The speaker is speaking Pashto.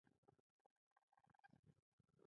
د جرمني پوځیانو کنډک تېر شو، دواړه یو ځای.